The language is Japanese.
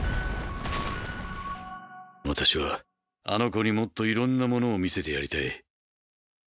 私はあの子にもっといろんなものを見せてやりたい。